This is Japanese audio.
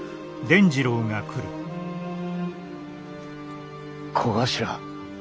小頭。